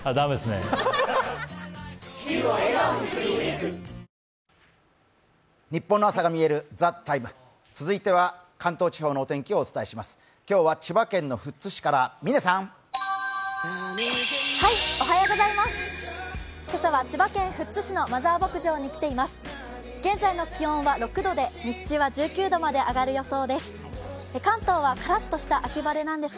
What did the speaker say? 今朝は千葉県富津市のマザー牧場に来ています。